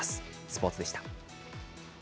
スポーツでした。